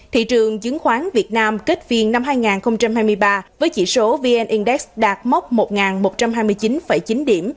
thị trường chứng khoán việt nam kết phiên năm hai nghìn hai mươi ba với chỉ số vn index đạt mốc một một trăm hai mươi chín chín điểm